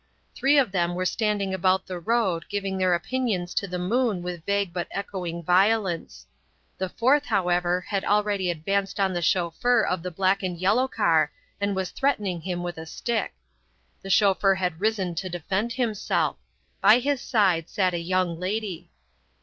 Three of them were standing about the road, giving their opinions to the moon with vague but echoing violence. The fourth, however, had already advanced on the chauffeur of the black and yellow car, and was threatening him with a stick. The chauffeur had risen to defend himself. By his side sat a young lady.